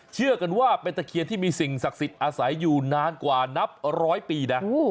เชื่อกันว่าเป็นตะเคียนที่มีสิ่งศักดิ์สิทธิ์อาศัยอยู่นานกว่านับร้อยปีนะ